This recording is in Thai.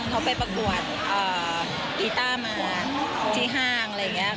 เขาไปประกวดกีต้ามาที่ห้างอะไรอย่างนี้ค่ะ